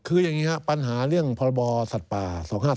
คืออย่างนี้ครับปัญหาเรื่องพรบสัตว์ป่า๒๕๖๒